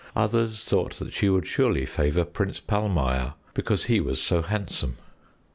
Others thought that she would surely favor Prince Palmire, because he was so handsome.